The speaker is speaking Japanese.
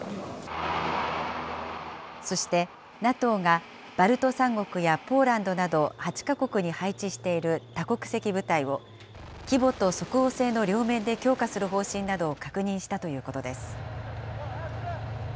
そして、ＮＡＴＯがバルト３国やポーランドなど８か国に配置している多国籍部隊を、規模と即応性の両面で強化する方針などを確認したということです。